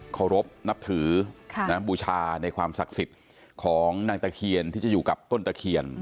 เคารพนับถือบูชาในความศักดิ์สิทธิ์ของนางตะเคียนที่จะอยู่กับต้นตะเคียน